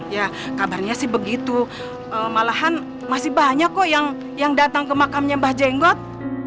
ya kabarnya sih begitu malahan masih banyak kok yang datang ke makamnya mbah jenggot